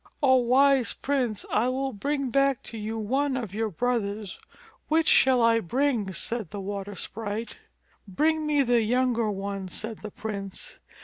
"O Wise Prince, I will bring back to you one of your brothers. Which shall I bring?" said the water sprite. "Bring me the younger one," said the prince.